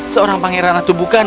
seorang pangeran atau bukan